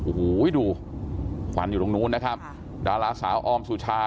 โอ้โหดูควันอยู่ตรงนู้นนะครับดาราสาวออมสุชา